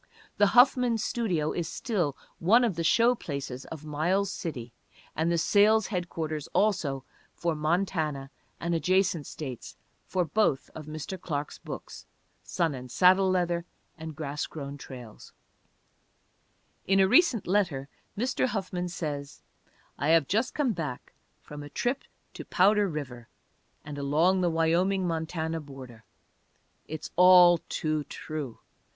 The Huffman Studio is still one of the show places of Miles City, and the sales headquarters also for Montana and adjacent states for both of Mr. Clark's books, Sun and Saddle Leather and Grass Grown Trails. In a recent letter Mr. Huffman says, "I have just come back from a trip to 'Powder River' and along the Wyoming Montana border. It's all too true!